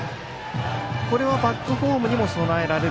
これはバックホームにも備えられる？